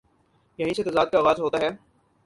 یہیں سے تضاد کا آ غاز ہو تا ہے۔